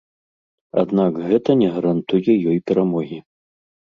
Аднак гэта не гарантуе ёй перамогі.